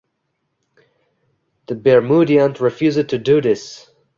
The Bermudians refused to do this.